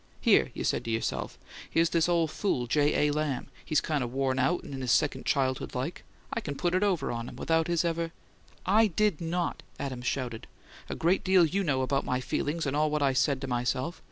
'Here,' you said to yourself, 'here's this ole fool J. A. Lamb; he's kind of worn out and in his second childhood like; I can put it over on him, without his ever '" "I did not!" Adams shouted. "A great deal YOU know about my feelings and all what I said to myself!